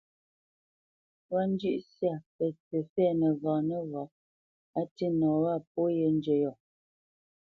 Ntwá njʉ́ʼ syâ pətsǐ fɛ̌ nəghǎ nəghǎ, á tî nɔ wâ pó yē njə́ yɔ̂,